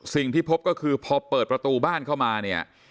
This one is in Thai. สิ่งที่พบก็คือพอเปิดประตูบ้านเข้ามาเนี่ย